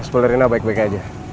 supaya rena baik baik aja